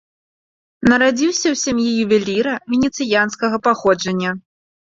Нарадзіўся ў сям'і ювеліра венецыянскага паходжання.